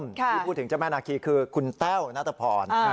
ที่พูดถึงเจ้าแม่นาคีคือคุณแต้วนัทพร